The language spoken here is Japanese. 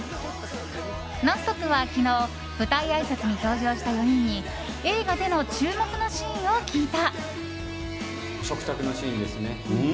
「ノンストップ！」は昨日舞台あいさつに登場した４人に映画での注目のシーンを聞いた。